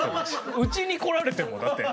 うちにこられてもだって。